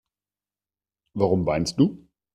Warum weinst du?